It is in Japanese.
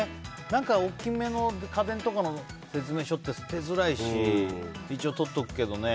何か、大きめの家電とかの説明書って捨てづらいし一応取っておくけどね。